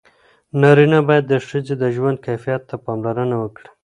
نارینه باید د ښځې د ژوند کیفیت ته پاملرنه وکړي.